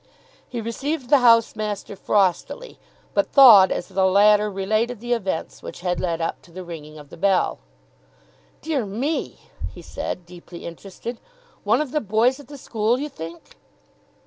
He received the housemaster frostily, but thawed as the latter related the events which had led up to the ringing of the bell. "Dear me!" he said, deeply interested. "One of the boys at the school, you think?"